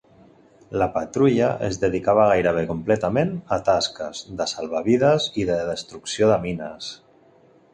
La patrulla es dedicava gairebé completament a tasques de salvavides i de destrucció de mines.